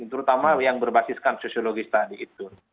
terutama yang berbasiskan sosiologis tadi itu